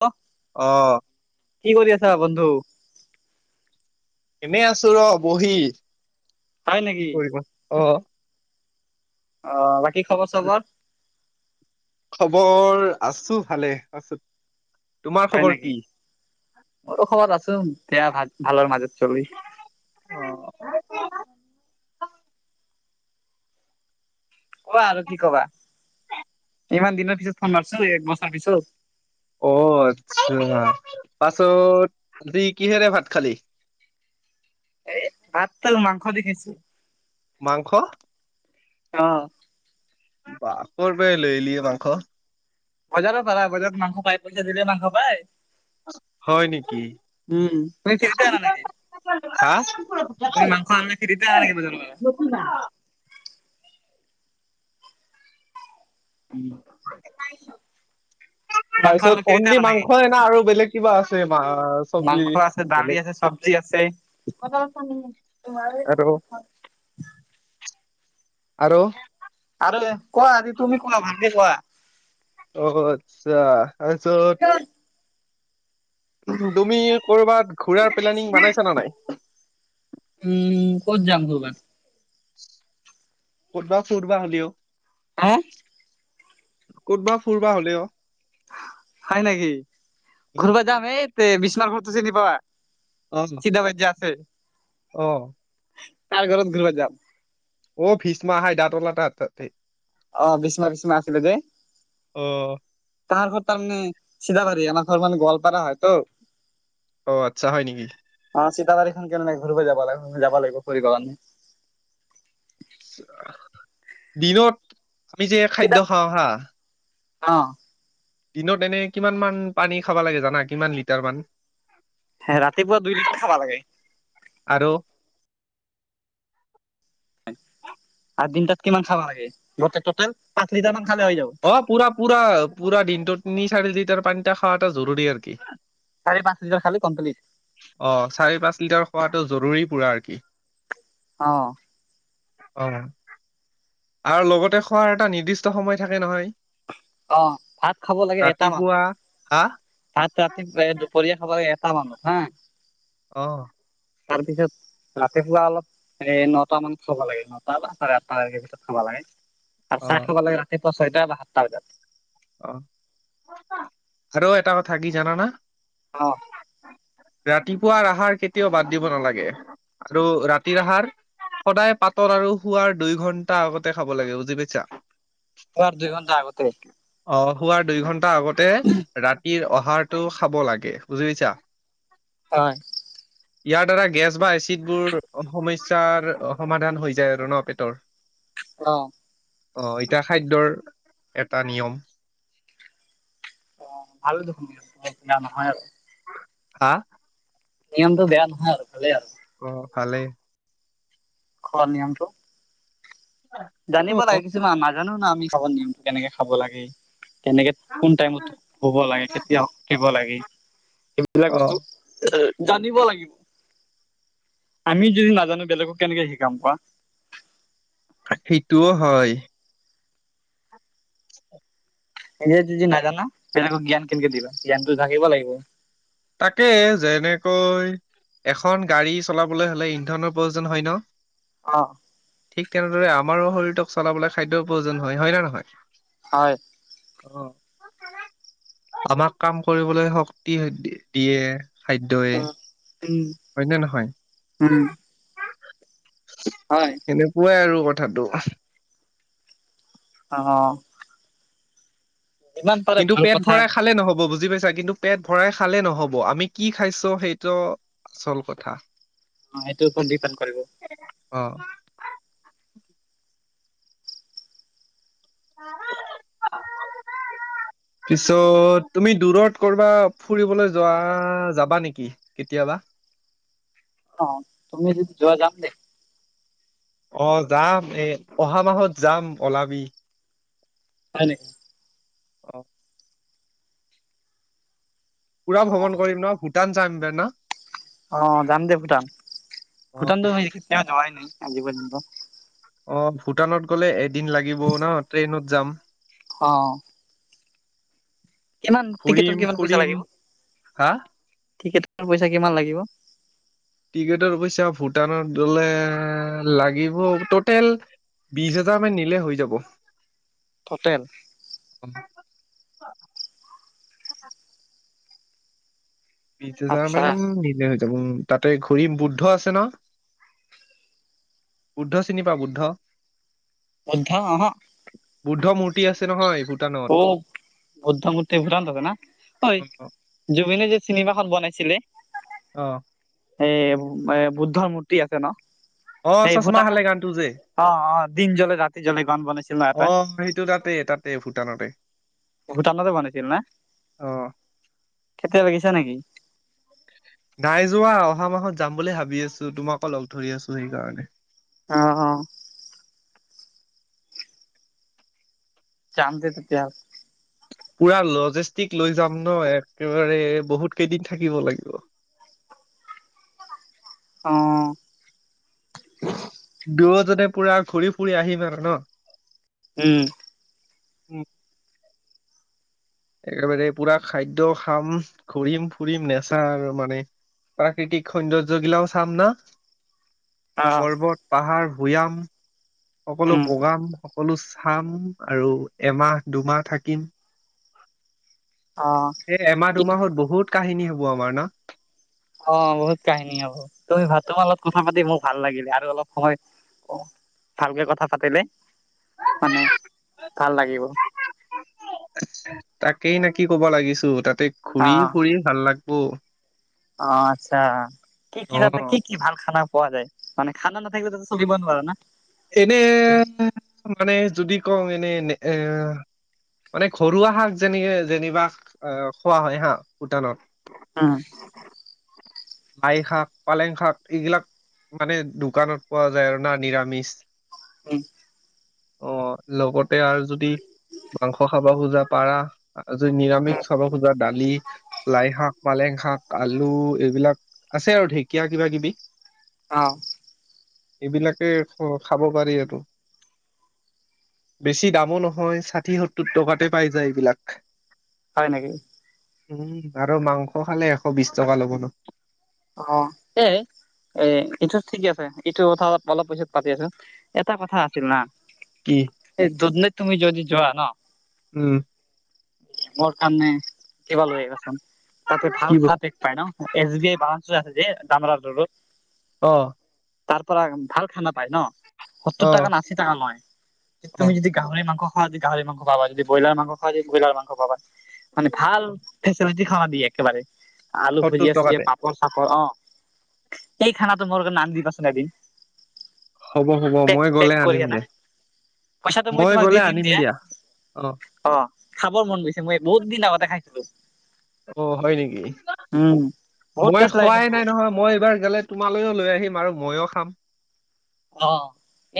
হেল। অ', কি কৰি আছা বন্ধু? এনে আছো ৰ বহি হয় কি নেকি কৰিব অ। অঁ বাকী খবৰ-চবৰ? খবৰ, আছো ভালে আছো, তোমাৰ খবৰ কি? মো খবৰত আছো বেয়া ভ ভালৰ মাজত চলি। ক আৰু কি কবা ইমান দিনৰ পিছত ফোন মাৰছো এক বছৰ পিছত। অঁ আচ্ছা, পাছত দি কিহেৰে ভাত খালি? এ আত তাল মাংস দি খাইছো। মাংস অ', বা কত পে লৈলি এ মাংস। বজাৰৰ পাৰা বজাৰত মাংস পায় পইচা দিলে মাংস পায়। উম, হয় নেকি তুমি ফেৰিতে আনা নাগে। হা ত মাংস আননা খেতিতে লাগে বজাৰ। উম, তাৰ মাংস পিছত আনিলে ফ্ৰীতে অনলি আনা নেকি মাংসই না আৰু বেলেগ কিবা আছে? মা চব্জি মাংস আছে দালি বেলেগ আছে চবজি আছে। আৰু [unintelligible] আৰু আৰু কোৱা তুমি কোৱা ভালকে কোৱা। অ আচ্ছা আ চত [unintelligible] তুমি কৰ'বাত ঘূুৰাৰ প্লেনিি বনাইছা নে নাই উম ক'ত যাম ঘূবাৰ। কবা কবা হ'লেও। হা। ক'তবা ফুুৰবা হ'লে অ। হয় নেকি ঘূৰবা যাম এই তে বিছনা ঘৰতটো চিনি পাৱা চিতাবদ [unintelligible] যে আছে আহ। তাৰ ঘৰত গ'লে যাম। অ ভিষ্্মা আহাই ডাতৰ লাটা তাতে। অহ ভীষ্ম বিষ্মা আছিলিলে যে। অ তাহাৰ ঘৰত তাৰমানে চিধাবাৰী আমাৰ ঘৰ মানে গোৱালপাৰা হয়তো। অ আচ্ছা হয় নেকি? অ চীতাবাাৰীখন কেনেকে ঘূৰি যাব লাগ যাব লাগিব পৰিে [unintelligible] দিনত আমি যে খাদ্্য চিধা খাওঁ হা অ। দিনত এনে কিমান মান পানী খাব লাগে। জানা কিমান লিটাৰ মান। হ ৰাতিপুৱা দুই লিটাৰ খাব লাগে আৰু [unintelligible] আৰু দিন তাত কিমান খাব লাগে গোটেই টোতেল অ পুৰা পুৰা পুৰা দিনটো তিনি চাৰি দি তাৰ লিটাৰ। পানীতা খোৱা এটা জৰুৰী আৰু কি চাৰি পাঁচ লিটাৰ খালে কমপ্লিট অ চাৰি পাঁচ লিটাৰ খোৱাটো জৰুৰী পুৰা আৰ কি। অ। অ আৰু লগতে খোৱাৰ এটা নিৰ্দিষ্ট সময় থাকে নহয়। অ ভাত খাব লাগে এটা মানত ৰাতিপুৱা হা ভাত ৰাতিপুৱাই দুপৰীয়া খাব লাগে এ ত বানত হা [unintelligible] আহ। তাৰ পিছত ৰাতিপুৱা অলপ এ নটা মান খাব লাগে নটা বা চাৰে আঠটালৈকে পিছত খাব লাগে। অ আৰু চাহ খাব লাগে ৰাতিপুৱা ছয়টা বা সাতটা বজাত অ আৰু এটা কথাাকি জানানা। অ। ৰাতিপুৱাৰ আহাৰ কেতিয়াও বাদ দিব নালাগে আৰু ৰাতিৰ আহাৰ সদায় পাতৰ আৰু শোৱাৰ দুই ঘণ্টা আগতে খাব লাগে বুজি পাইছা। অ দুই ঘণ্টা আগতে আহ খোৱাৰ দুই ঘন্টা আগতে ৰাতিৰ অহাৰটো খাব লাগে বুজিপাইছা। হয়। ইয়াৰ দ্বাৰা গেছ বা এচিডবোৰ সমস্যাৰ সমাধান হৈ যায় আৰু ন পেটৰ অ। অ এতিয়া খাদ্যৰ এটা নিয়ম অ ভাল দেখোন নহয় আৰু হা। নিয়মটো বেয়া নহয় আৰু ভালে আৰু অ ভালেই। খৰ নিয়মটো অ জানিব লাগে কিছুমান নাজানো ন আমি খাব নিয়মো কেনেকে খাব লাগে। তেনেকে কোন টাইমত শুব লাগে কেতিয়া উঠিব লাগে এইবিলাক অ বস্তু জানিব লাগিব। আমিও যদি নাজানো বেলেগক কেনেকে শিকাম কোৱা। সেইটোও হয়। এনে যদি নাজানা তেনোক জ্ঞান কেনেকে দিবা জ্ঞানতটো জাকিব লাগিব। তাকে যেনেকৈ এখন গাড়ী চলাবলৈ হলে ইন্ধনৰ প্ৰয়োজন হয় ন অঁ ঠিক তেনেদৰে আমাৰো শৰীৰক চলাবলৈ খাদ্যৰ প্ৰয়োজন হয়। হয় নে নহয়? হয়। অ, আমাক কাম কৰিবলৈ শক্তি দিয়ে। খাদ্যই উম, হয় নে উম। হয় সেনেকুৱাই আৰু কথাটো অ', যিমান পাৰে কিন্তু ভাল পেট কথা ভৰাই খালে নহব বুজি পাইছা কিন্তু পেট ভৰাই খালে নহব আমি কি খাইছোঁ সেইটো আচল কথা। অ', এইটো পজি পন কৰিব। অ, [inaudible] পিছত তুমি দূৰত কৰ'বা ফুৰিবলৈ যোৱা যাবা নেকি কেতিয়াবা? অঁ, তুমি যদি যোৱা যাম দে। অঁ যাম এ অহা মাহত যাম ওলাবি। হয় নে অ, পুৰা ভ্ৰমণ কৰিম ন ভূটান চাম বে ন অ, যাম দে ভূটান অ', ভূটানটো যোৱাই নাই আজি পৰ্য্যন্ত। অ ভূটানত গ'লে এদিন লাগিব ন ট্ৰেইনত যাম। অ, কিমান ফুৰিম টিকেটৰ কিমান পইচা ফুৰিম লাগিব হা টিকেটৰ পইচা কিমান লাগিব। টিকেটৰ পইচা ভূটানত দলে লাগিব ট'টেল বিশ হোজাৰ মান নিলে হৈ যাব। টতেল, অ, বিশ হোজাৰ আচ্ছা মান নিলে হৈ যাব তাতে ঘুৰিম বুদ্ধ আছে ন বুদ্ধ চিনি পাৱ বুদ্ধ এইন্ধ আহক বুদ্ধ মূৰ্তি আছে নহয় ভূটা অ [unintelligible] বনাইছিলে। অহ, এ বুদ্ধৰ মূৰ্তি আছে ন। অ চচমা খালে গানটো যে অ-অ দিন জ্বলে ৰাতি জ্বলে, গান বনাইছিল এটা। ভুটানতে, ভূটানটো বনাইছিল না, অ কেতিয়া লাগিছে নেকি? নাই যোৱা অহা মাহত যাম বুলি ভাবি আছো তোমাকো লগ ধৰি আছো সেইকাৰণে অহ-অহ, [unintelligible] পুৰা লজিষ্টিক লৈ যাম ন একেবাৰে বহুত কেইদিন থাকিব লাগিব। অ', দুয়োজনে পুৰা ঘূৰি ফুৰি আহিম আৰু নহ। উম। উম। একেবাৰে পুৰা খাদ্যয় খাম ঘূৰিম ফুৰিম নেচা আৰু মানে প্ৰাকৃতিক সৌন্দ্য গিলাও চাম ন। অ পৰ্বত পাহাৰ ভূয়াম সকলো উম বগান। সকলো চাম আৰু এমাহ দুমাহ থাকিম। অ এ -এমাহ ই দুমাহত বহুত কাহিনী হ'ব আমাৰ ন। অ, বহুত কাহিনী আৰু তুমি ভ তোমাৰ লগত কথা পাতি মোক ভাল লাগিলে আৰু অলপ সময় অ ভালকে কথা পাতিলে মানে ভাল লাগিব। তাকেই নে কি ক'ব লাগিছো তাতে অ ঘুৰি ফুৰি ভাল লাগ। অ। অ আচ্ছা কি কি অ। দাতে কি কি ভাল খানা। পোৱা যায় মানে খানা নাথাকিবে ততে চলিব নোৱাৰা না। এনে মানে যদি কও এনে এ মানে ঘৰুৱা শাক যেনে যেনিবা আহ খোৱা হয় হা ভূটানত। অ', লাই শাক পালেং শাক এইবিলাক। মানে দোকানত পোৱা যায় আৰু না নিৰামিষ উম, অ লগতে আৰু যদি মাংস খাব খোজা পাৰা। আজি উম নিৰামিষ খাব খোজা। দালি লাই শাক পালেং শাক আলু এইবিলাক আছে আৰু ঢেকীয়া কিবা কিবি। অ', এইবিলাকে খাব পাৰি আৰু। বেছি দামো নহয় ষাঠিসত্তৰ টকাতে পাই যায় এইবিলাক হয় নেকি। উম আৰু মাংস খালে এশ বিশ টকা ল'ব নহ। অ, এই এ কিটো ঠিক আছে। ইটো কথা অলপ - অলপ পইছত পাতি আছো এটা কথা আছিল না। কি এই দুতনে তুমি যদি যোৱা ন। উম মোৰ কাৰণে কিবা লৈ আহিবাচোন তাতে ভাল কি বস্তু খাপেষ পায় ন এছ বি আই ভাল। আছে যে ডামৰো অ। তাৰ পৰা ভাল খানা পাই ন সত্তৰ অ টকা ন আশী টকা নয় অ তুমি যদি গাহৰি মাংস। খ যদি গাহৰি মাংস খাবা যদি ব্ৰইলাৰ মাংস খ যদি ব্ৰইলাৰ মাংস পাবা মে ভাল ফেচেলিটি খাৱা দিয়ে। একেবাৰে আলু সত্তৰ ভুজিয় চুজীয়া টকাতে পাপ। ৰ চাপৰ অ, এই খানাটো মোৰ কাৰণে আন দিবাচোন এদিন। হ'ব হ'ব পেক মই পেক গ'লে আনিম কৰি দে। পইচাটো মই তোমাক দি দিম দিয়া অ। খাবৰ মন গৈছে মই বহুত দিন আগতে খাইছিলোঁ। অ, হয় নেকি? বহুত মই টেষ্ট লাগে খোৱাই কিন্তু নাই নহয় মই এইবাৰ গ'লে তোমালৈও লৈ আহিম আৰু মইও খাম। অ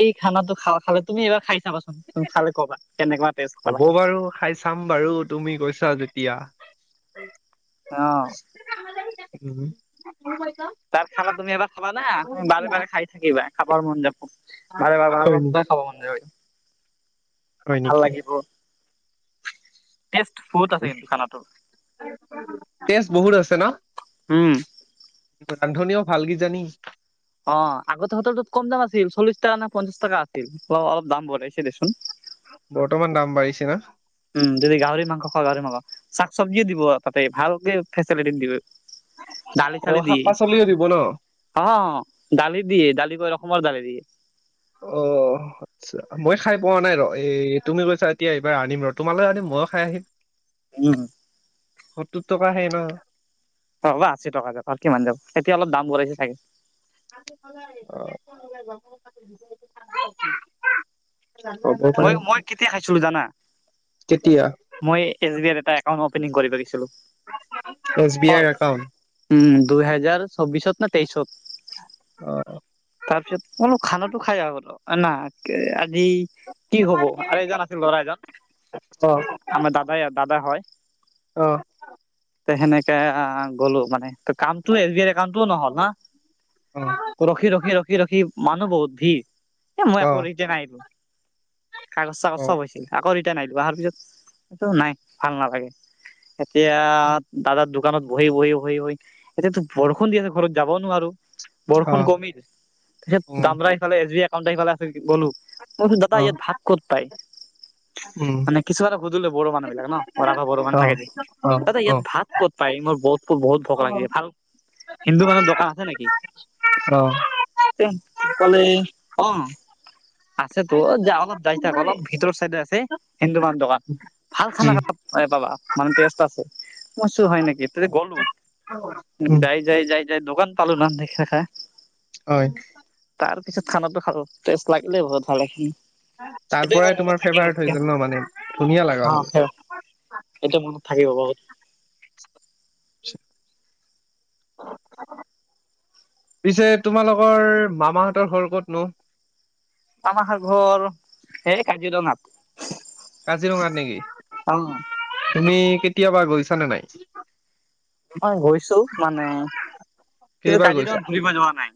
এই খানাটো খ খালে তুমি এইবাৰ খাই। চাবাচোন তুমি খালে কবা কেনেকুৱা টেষ্ট হ'ব পালাগে বাৰু খাই চাম বাৰু তুমি কৈছা যেতিয়া হয়। অ', উম তাৰ খালা তুমি এাৰ খাবা তুমি বাৰে - বাৰে খাই থাকিবা খাব মন যাব। বাৰে বাৰে বাৰে হয় বাৰ নি ত খাব মন যায় হয় ভাল নেকি লাগিব। টেষ্ট বহুত আছে কিন্তু খানাটোৰ তেষ্ট বহুত আছে ন উম ৰান্ধনীও ভাল কি জানি অ আগতে হয়ত তত কম দাম আছিল চল্লিশ টকা নে পঞ্চঞ্চাশ টকা আছিল অ অলপ দাম বঢ়ছে দেচোন। বৰ্তমান দাম বাঢ়িছে না উম যদি গাহৰি মাংস খ গাহৰি মাংস শাক চব্জিও দিব তাতে ভালকে ফেচিলিটি দিব দালি অ চালি শাক দিয়ে পাচলিও দিব ন অ দালি দিয়ে দালি কৰি ৰখ সমৰ দালে দিয়। অ আচ্ছা মই খাই পোৱা নাই ৰ এই তুমি কৈছা এতিয়া এইবাৰ আনিম ৰ তোমালৈ আনিম বয় খাই আহিল। উম। সতটোত টকাহে ন অ বা আশী টকা যাব আৰু কিমান যাব এতিয়া অলপ দাম বঢ়াই ছাগে। [inaudible] পাৰে মই মই কেতিয়া খাইছিলো জানা। কেতিয়া? মই এছ বি আই এটা একাউন্ট অপেনিং কৰি গৈছিলো। এছ বি আইৰ একাউণ্ট দুইহেজাৰ চৌবিশত নে তেইশত অ'। তাৰপিছত অলপ খান খাই গ'ল ন আজি। কি হ'ব আৰু এজন আছিল ল'ৰা এজন আমাৰ দাদাই দাদা হয়। আহ তে সেনেকে আহ গলো মানে কামটো এ কামটোও নহ'ল না ৰখি ৰখি ৰখি ৰখি মানুহ বহুত ভিৰ এ মই আকৌ অ', এৰিতিয়া নাহিলো। কাগজ চাগজ অ', চব হৈছিল আকৌ ৰিটাৰ্ণ আহিলো অহাৰ পিছত এইটো নাই ভাল নালাগে এতিয়া দাদাৰ দোকানত বহি বহি বহি বহি এতিয়াতো বৰষুণ দি আছে ঘৰত যাব নোৱাৰো। বৰষুণ অ', কমিৰ তাৰপিছত উম, দামৰা ইফালে এচ বি কাম সফালে আছিল গ'লো মই কৈছো অ', ইয়াত ভাত ক'ত পাই। মানে কিছু এ আৰু সুধো বড়ো মানুহ বিলাক ন অ বাা ব়ো মানু থাকে যে অ', দাদা ইয়াত অ', ভাত ক'ত পায় মোৰ বত বহুত ভোক লাগিলছে ভাল হিন্দু মানুহৰ দোকান আছে নেকি? তে ক'লে অ ত' য অলপ যাই থাক অলপ ভিতৰৰ চাইডে আছে হিন্দুমানান দোকান ভাল খানা খাব এ পাবা মানে ষ্টেট আছে মই চুৰ হয় নেকি গলো যাই যাই যাই যাই দোকান পালো ন দে দেখাই। হয়। তাৰপিছত খানা খাব টেষ্ট লাগিলে বহুত ভালেখিনি তাৰ সেইটোয় পৰাই আমাৰ তোমাৰ মনত থাকিব ফেভাৰেট হৈ গ'ল ন কিন্তু মানে ধুনীয়া লগা অ হ'ল। সে সেইটোয়া মনত। থাকিব বাৰুত অ পিছে তোমালোকৰ মামাহঁতৰ ঘৰ ক'তনো? তামাহাৰ ঘৰ সেই কাজিৰঙাত কাজিৰঙাত নেকি অ তুমি কেতিয়াবা গৈছানে নাই। মই গৈছো মানে কিন্তু কেইবাৰ গৈছা? কাজিৰঙাত ঘূৰিব যোৱা নাই।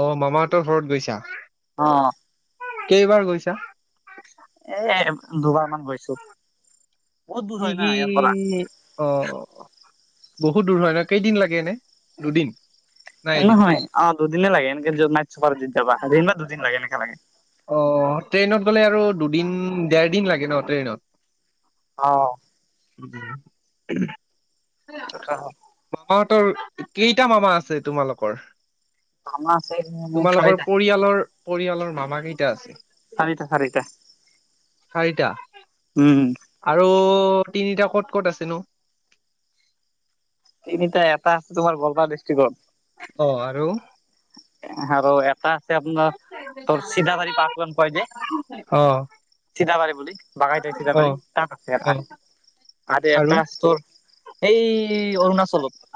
অ মামাহঁতৰ ঘৰত গৈছা অ কেইবাৰ গৈছা। এ দুবাৰমান গৈছো বহুত দূৰ কি হয় না কি ইয়াৰ পৰা অ বহুত দূৰ হয় ন কেইদিন লাগেনে দুদিন না এদিন? নহয় অ দুদনে লাগে এনেকে ম চ য যাবা ন বাা দুদিন লাগে এনেকে লাগে অ' ট্ৰেইনত গ'লে আৰু দুদিন দেৰ দিন লাগে ন ট্ৰেইনত অ সেইটোতো হয়। ম তৰ কেইটা মামা আছে তোমালোকৰ? আমাৰ আছে তোমালোকৰ চাৰিটা পৰিয়ালৰ পৰিয়ালৰ মামা কেইটা আছে চাৰিটা-চাৰিটা। চাৰিটা আৰু তিনিটা ক'ত ক'ত আছেনো তিনিটা এটা আছে তোমাৰ গোৱালপাৰা ডিষ্ট্ৰিক্টত অ আৰু আৰু এটা আছে আপোনাৰ তোৰ চিধাবাৰী পাৰ্ট ওৱান কয় যে। অ' চিতাবাৰী বুলি বাগাইত চিতাবাৰী অ' তাৰ পাছে এটা অ' আৰু এটাৰ এই অৰুণাচলত